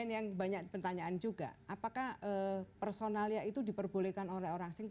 yang banyak pertanyaan juga apakah personalia itu diperbolehkan oleh orang asing